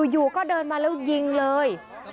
อยู่ก็เดินมาแล้วยิงเลย